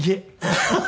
ハハハハ。